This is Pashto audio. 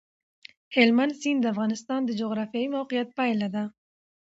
هلمند سیند د افغانستان د جغرافیایي موقیعت پایله ده.